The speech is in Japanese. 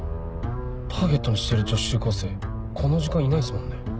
ターゲットにしてる女子中高生この時間いないっすもんね。